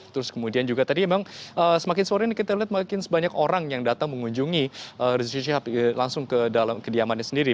terus kemudian juga tadi memang semakin sore ini kita lihat semakin banyak orang yang datang mengunjungi rizik syihab langsung ke dalam kediamannya sendiri